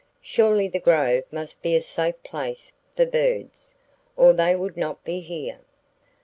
Surely the grove must be a safe place for birds, or they would not be here.